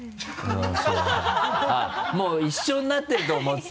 もう一緒になってると思ってた？